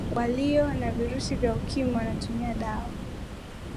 waliyo na virusi vya ukimwi wanatumia dawa